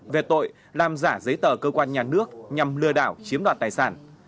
về tội làm giả giấy tờ cơ quan nhà nước nhằm lừa đảo chiếm đoạt tài sản